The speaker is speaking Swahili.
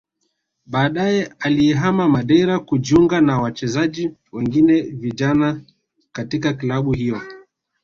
Baadaye alihama Madeira kujiunga na wachezaji wengine vijana katika klabu hiyo